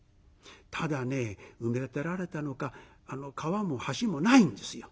ただね埋め立てられたのか川も橋もないんですよ。